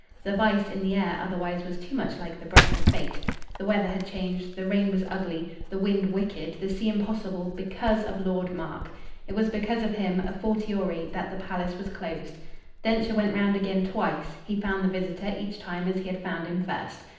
The vice in the air, otherwise, was too much like the breath of fate. The weather had changed, the rain was ugly, the wind wicked, the sea impossible, BECAUSE of Lord Mark. It was because of him, a fortiori, that the palace was closed. Densher went round again twice; he found the visitor each time as he had found him first.